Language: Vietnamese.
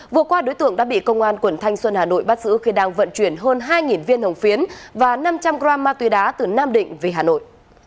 vừa qua đối tượng đã bị công an quận thanh xuân hà nội bắt giữ khi đang vận chuyển hơn hai viên hồng phiến và năm trăm linh g ma túy đá từ nam định về hà nội